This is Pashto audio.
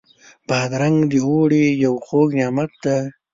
بادرنګ د اوړي یو خوږ نعمت دی.